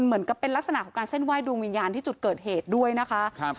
เหมือนกับเป็นลักษณะของการเส้นไหว้ดวงวิญญาณที่จุดเกิดเหตุด้วยนะคะครับ